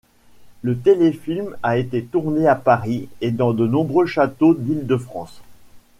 Le téléfilm a été tourné à Paris et dans de nombreux châteaux d'Île-de-France.